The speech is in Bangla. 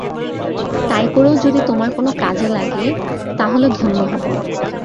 তাই করেও যদি তোমার কোনো কাজে লাগি তা হলে ধন্য হব।